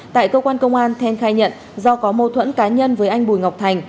tại cơ quan công an then khai nhận do có mâu thuẫn cá nhân với anh bùi ngọc thành